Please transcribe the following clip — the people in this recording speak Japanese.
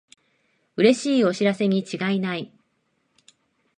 うれしいお知らせにちがいない